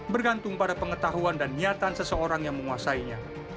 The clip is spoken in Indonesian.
bergantung pada pengetahuan dan niatan seseorang yang menguasainya